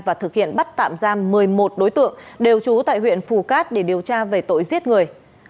và thực hiện bắt tạm giam một mươi một đối tượng đều trú tại huyện phù cát để điều tra về tội giết người